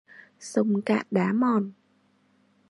Sông cạn đá mòn